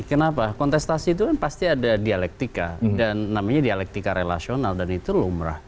kenapa kontestasi itu kan pasti ada dialektika dan namanya dialektika relasional dan itu lumrah